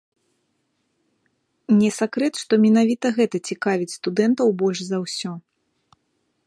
Не сакрэт, што менавіта гэта цікавіць студэнтаў больш за ўсё.